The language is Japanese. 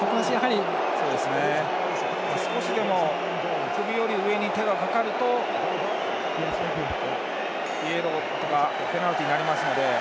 少しでも首より上に手がかかるとイエローとかペナルティになりますので。